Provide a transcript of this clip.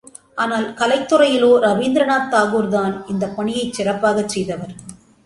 ஆனால், கலைத் துறையிலோ ரவீந்திரநாத் தாகூர்தான் இந்தப் பணியைச் சிறப்பாகச் செய்தவர்.